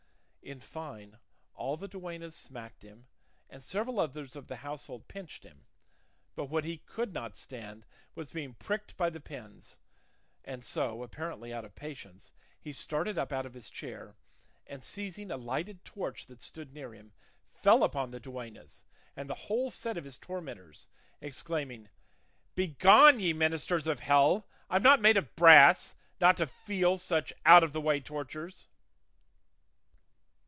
In fine, all the duennas smacked him and several others of the household pinched him; but what he could not stand was being pricked by the pins; and so, apparently out of patience, he started up out of his chair, and seizing a lighted torch that stood near him fell upon the duennas and the whole set of his tormentors, exclaiming, "Begone, ye ministers of hell; I'm not made of brass not to feel such out of the way tortures."